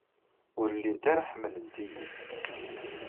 Ur llint ara ḥemmlent-iyi.